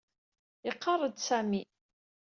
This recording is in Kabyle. Iqarr-d Sami.